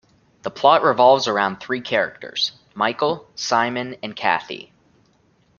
The plot revolves around three characters, Michael, Simon, and Cathy.